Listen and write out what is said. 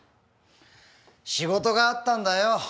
仕事があったんだよ。